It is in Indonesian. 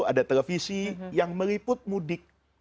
ada televisi yang meliput mudik